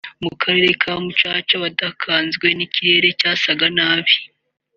mu kagari ka Mucaca badakanzwe n’ikirere cyasaga nabi